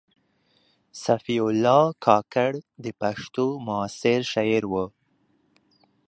صفي الله کاکړ د پښتو معاصر شاعر و.